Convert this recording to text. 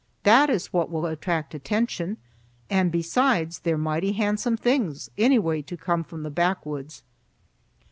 That is what will attract attention, and besides they're mighty handsome things anyway to come from the backwoods."